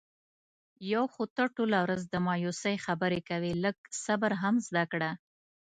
یو خو ته ټوله ورځ د مایوسی خبرې کوې. لږ صبر هم زده کړه.